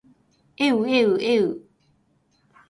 えうえうえう